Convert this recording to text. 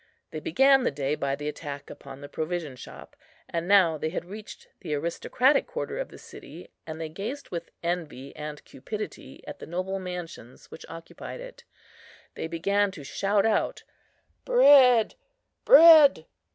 They began the day by the attack upon the provision shop, and now they had reached the aristocratic quarter of the city, and they gazed with envy and cupidity at the noble mansions which occupied it. They began to shout out, "Bread, bread!"